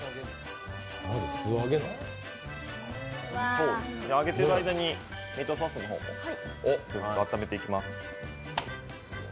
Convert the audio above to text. そうですね、揚げている間にミートソースを温めていきます。